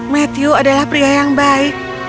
matthew adalah pria yang baik